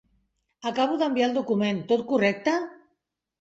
Acabo d'enviar el document, tot correcte?